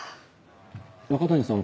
中谷さん